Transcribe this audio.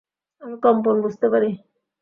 আমি কম্পন বুঝতে পারি।